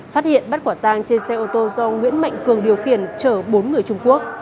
phát hiện bắt quả tang trên xe ô tô do nguyễn mạnh cường điều khiển chở bốn người trung quốc